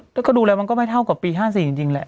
แล้วก็ดูแล้วมันก็ไม่เท่ากับปี๕๔จริงแหละ